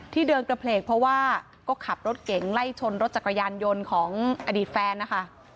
เดินกระเพลกเพราะว่าก็ขับรถเก่งไล่ชนรถจักรยานยนต์ของอดีตแฟนนะคะ